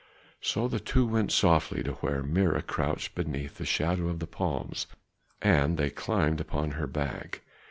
So the two went softly to where Mirah crouched beneath the shadow of the palms, and they climbed upon her back.